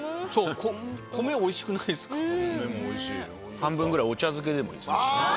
半分ぐらいお茶漬けでもいいですね。